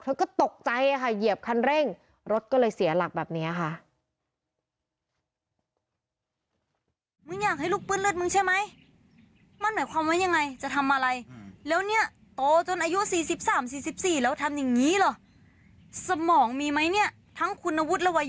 เธอก็ตกใจค่ะเหยียบคันเร่งรถก็เลยเสียหลักแบบนี้ค่ะ